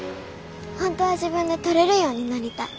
本当は自分で取れるようになりたい。